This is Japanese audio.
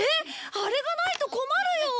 あれがないと困るよ。